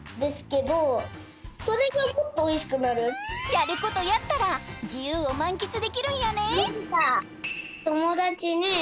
やることやったらじゆうをまんきつできるんやね。